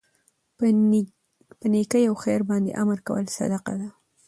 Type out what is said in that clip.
په نيکي او خیر باندي امر کول صدقه ده